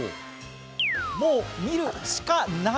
もう見るシカない！